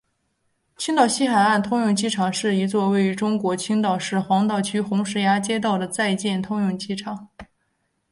青岛西海岸通用机场是一座位于中国青岛市黄岛区红石崖街道的在建通用机场。